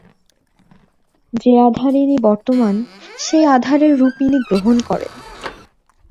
যে আধারে ইনি বর্তমান, সেই আধারের রূপ ইনি গ্রহণ করেন।